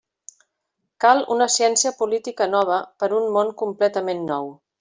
Cal una ciència política nova per a un món completament nou.